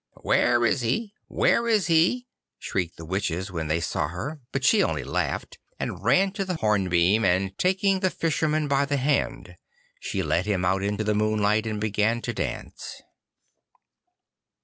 'Where is he, where is he?' shrieked the witches when they saw her, but she only laughed, and ran to the hornbeam, and taking the Fisherman by the hand she led him out into the moonlight and began to dance.